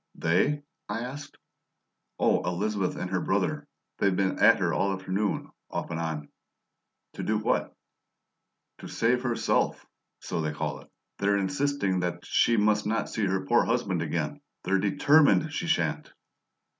"They?" I asked. "Oh, Elizabeth and her brother. They've been at her all afternoon off and on." "To do what?" "To 'save herself,' so they call it. They're insisting that she must not see her poor husband again. They're DETERMINED she sha'n't."